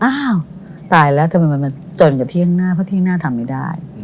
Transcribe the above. อ้าวตายแล้วทำไมมันมาจนกับเที่ยงหน้าเพราะเที่ยงหน้าทำไม่ได้